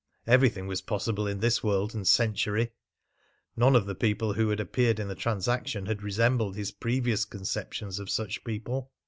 Everything was possible in this world and century. None of the people who had appeared in the transaction had resembled his previous conceptions of such people!